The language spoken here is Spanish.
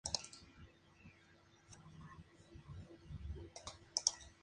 Puerto Williams, en su ribera norte, es la capital de la provincia.